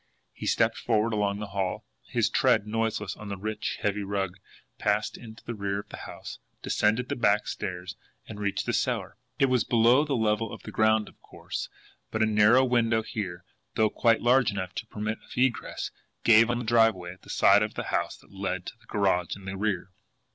He stepped forward along the hall, his tread noiseless on the rich, heavy rug, passed into the rear of the house, descended the back stairs, and reached the cellar. It was below the level of the ground, of course; but a narrow window here, though quite large enough to permit of egress, gave on the driveway at the side of the house that led to the garage in the rear.